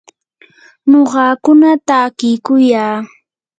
nuqakuna takiykuyaa.